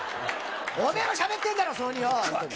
おめえもしゃべってるだろ、そういうふうによ！